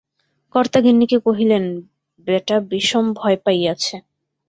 কর্তা গিন্নিকে কহিলেন, বেটা বিষম ভয় পাইয়াছে।